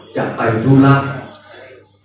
จะไปดูลาก